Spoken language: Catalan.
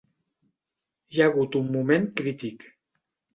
Hi ha hagut un moment crític.